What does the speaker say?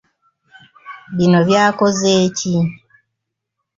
Bino byakoze ki?